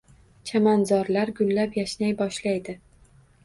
Chamanzorlar gullab-yashnay boshlaydi.